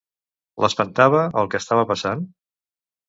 L'espantava el que estava passant?